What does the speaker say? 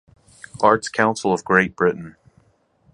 Arts Council of Great Britain.